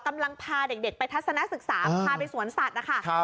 กำลังพาเด็กไปทัศนศึกษาพาไปสวนสัตว์นะคะ